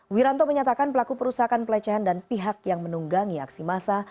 wiranto menyatakan pelaku perusahaan pelecehan dan pihak yang menunggangi aksi massa